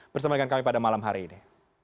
bersama dengan kami pada malam hari ini